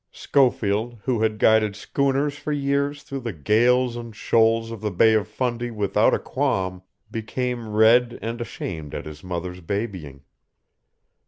Schofield, who had guided schooners for years through the gales and shoals of the Bay of Fundy without a qualm, became red and ashamed at his mother's babying.